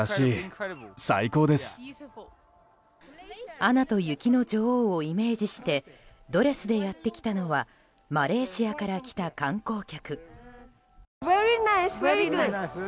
「アナと雪の女王」をイメージしてドレスでやってきたのはマレーシアから来た観光客。